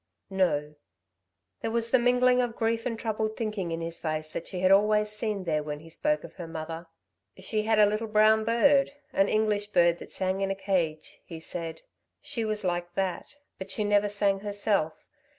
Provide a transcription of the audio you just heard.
"No." There was the mingling of grief and troubled thinking in his face that she had always seen there when he spoke of her mother. "She had a little brown bird, an English bird that sang in a cage," he said. "She was like that; but she never sang herself.